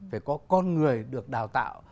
phải có con người được đào tạo